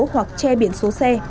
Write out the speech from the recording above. hoặc che biển số xe